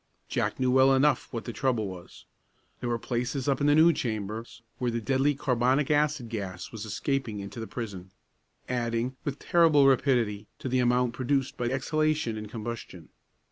Jack knew well enough what the trouble was. There were places up in the new chambers where the deadly carbonic acid gas was escaping into the prison, adding, with terrible rapidity, to the amount produced by exhalation and combustion.